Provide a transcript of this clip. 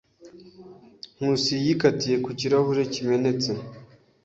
Nkusi yikatiye ku kirahure kimenetse.